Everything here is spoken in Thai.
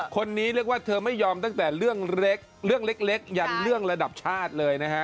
คนนี้เรียกว่าเธอไม่ยอมตั้งแต่เรื่องเล็กเรื่องเล็กยันเรื่องระดับชาติเลยนะฮะ